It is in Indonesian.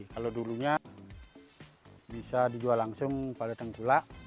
kalau dulunya bisa dijual langsung pada tengkulak